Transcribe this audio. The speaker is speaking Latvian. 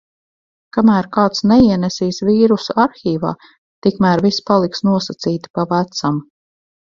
Kamēr kāds "neienesīs" vīrusu arhīvā, tikmēr viss paliks nosacīti pa vecam.